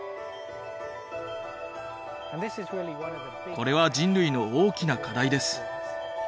これは人類の大きな課題です。